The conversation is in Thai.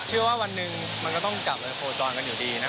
เชื่อว่าวันหนึ่งมันก็ต้องกลับมาโฟร์จอนกันอยู่ดีนะ